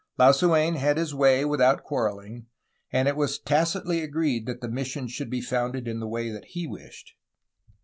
Lasu^n had his way without quarreling, and it was tacitly agreed that the missions should be founded in the way that he wished.